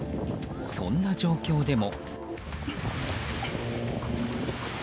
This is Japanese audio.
そんな状況でも。